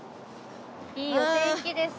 いいお天気ですね。